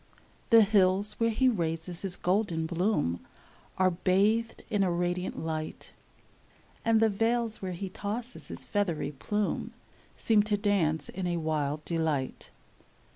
The hills where he raises his golden bloom Are bathed in a radiant light, And the vales where he tosses his feathery plume Seem to dance in a wild delight.